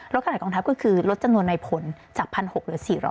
ขณะกองทัพก็คือลดจำนวนในผลจาก๑๖๐๐เหลือ๔๐๐